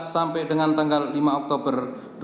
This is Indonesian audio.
sampai dengan lima oktober dua ribu enam belas